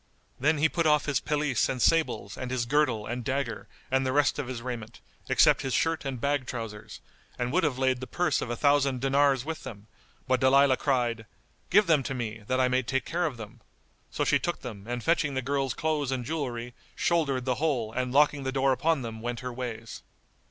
Then he put off his pelisse and sables and his girdle and dagger and the rest of his raiment, except his shirt and bag trousers, and would have laid the purse of a thousand dinars with them, but Dalilah cried, "Give them to me, that I may take care of them." So she took them and fetching the girl's clothes and jewellery shouldered the whole and locking the door upon them went her ways.